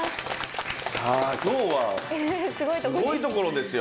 さあ今日はすごい所ですよ。